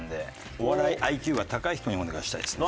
お笑いＩＱが高い人にお願いしたいですね。